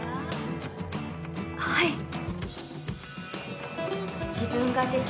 はい。